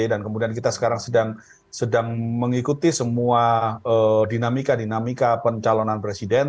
dan kemudian kita sekarang sedang mengikuti semua dinamika dinamika pencalonan presiden